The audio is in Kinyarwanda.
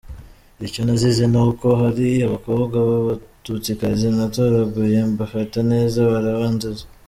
Icyo nazize ni uko hari abakobwa b’Abatutsikazi natoraguye mbafata neza barabanziza.